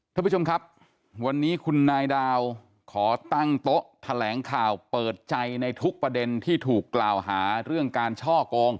ท่านผู้ชมครับวันนี้คุณนายดาวขอตั้งโต๊ะแถลงข่าวเปิดใจในทุกประเด็นที่ถูกกล่าวหาเรื่องการช่อกง